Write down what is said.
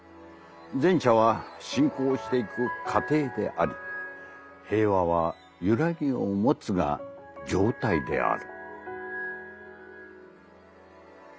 前者は進行していく『過程』であり平和はゆらぎを持つが『状態』である」。